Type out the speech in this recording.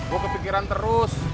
gue kepikiran terus